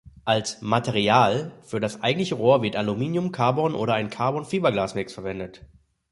Als "Material" für das eigentliche Rohr wird Aluminium, Carbon oder ein Carbon-Fiberglas-Mix verwendet.